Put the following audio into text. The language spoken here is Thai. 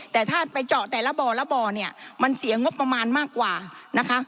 แต่ถ้าไปเจาะแต่ละบ่อละบ่อเนี่ยมันเสียงบประมาณมากกว่านะคะ